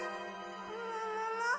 ももも？